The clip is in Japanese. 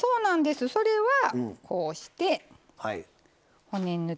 それは、こうして骨抜き。